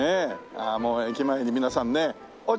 ああもう駅前に皆さんね。